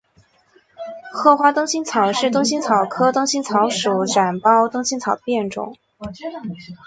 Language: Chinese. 褐花灯心草是灯心草科灯心草属展苞灯心草的变种。